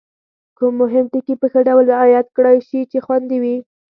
کوم مهم ټکي په ښه ډول رعایت کړای شي چې خوندي وي؟